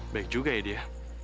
baik juga ya dia